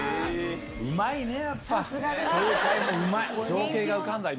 うまいね、やっぱ。